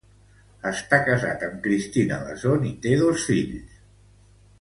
Està casat amb Cristina Bessone i té dos fills.